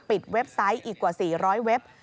เว็บไซต์อีกกว่า๔๐๐เว็บ